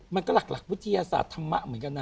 มันก็หลักกวัฒนียสัตว์ธรรมะเหมือนกันนะ